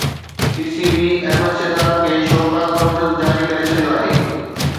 P C B Ahmed Shehzad کي show cause notice جاري ڪري ڇڏيو آهي